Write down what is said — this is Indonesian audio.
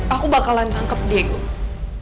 aku bakalan tangkap dia gue